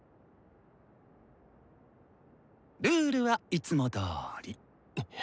ルールはいつもどおり。